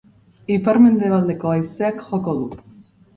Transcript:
Ipar-mendebaldeko haizeak joko du.